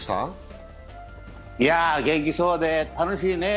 元気そうで楽しいね。